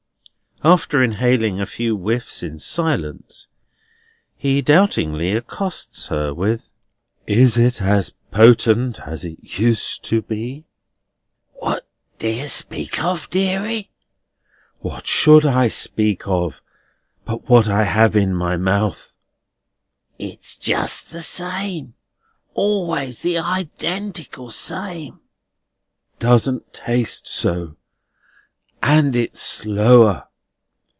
After inhaling a few whiffs in silence, he doubtingly accosts her with: "Is it as potent as it used to be?" "What do you speak of, deary?" "What should I speak of, but what I have in my mouth?" "It's just the same. Always the identical same." "It doesn't taste so. And it's slower."